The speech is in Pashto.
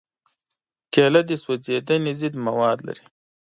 کېله د سوځېدنې ضد مواد لري.